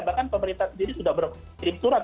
bahkan pemerintah sendiri sudah berkirim surat